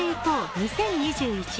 ２０２１」。